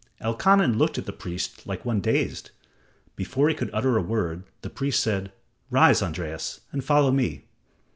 Elkanan looked at the priest like one dazed. Before he could utter a word, the priest said: "Rise, Andreas, and follow me."